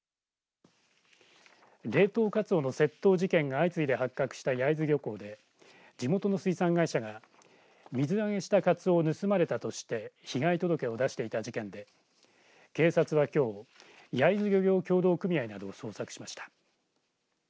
冷凍カツオの窃盗事件が相次いで発覚した焼津漁港で地元の水産会社が水揚げしたカツオを盗まれたとして被害届を出していた事件で警察はきょう焼津漁業協同組合などを捜索しました。